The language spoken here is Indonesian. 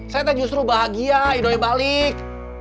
saya tak justru bahagia idoy balik